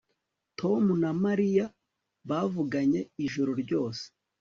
Tom na Mariya bavuganye ijoro ryose